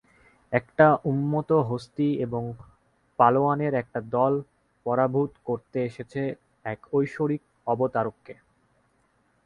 একটা উন্মত্ত হস্তী এবং পালোয়ানের একটা দল পরাভুত করতে এসেছে এক ঐশ্বরিক অবতারকে।